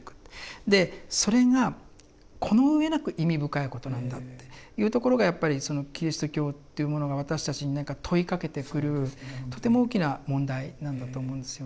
でそれがこの上なく意味深いことなんだっていうところがやっぱりそのキリスト教というものが私たちに何か問いかけてくるとても大きな問題なんだと思うんですよね。